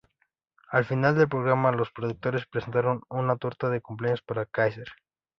Al final del programa, los productores presentaron una torta de cumpleaños para Caesar.